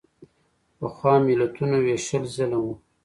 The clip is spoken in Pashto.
پخوا ملتونو وېشل ظلم و.